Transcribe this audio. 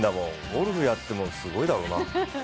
ゴルフやってもすごいだろうな。